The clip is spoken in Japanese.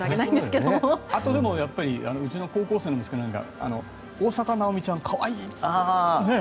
あと、うちの高校生の息子なんか大坂なおみちゃん可愛いなんて言って。